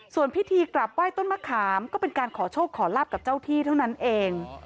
ส่วนพิธีกลับไหว้ต้นมะขามก็เป็นการขอโชคขอลาบกับเจ้าที่เท่านั้นเอง